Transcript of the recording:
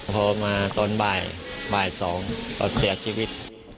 พอมาตอนบ่าย๒ตอนเวลาก็เสียชีวิต